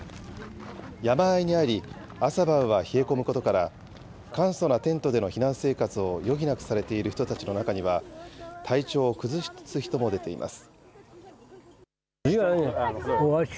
山あいにあり、朝晩は冷え込むことから、簡素なテントでの避難生活を余儀なくされている人たちの中には、体調を崩す人も出ています。